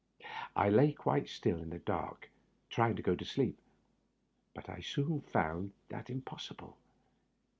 I lay quite still in the dark trying to go to sleep, but I soon found that impossible.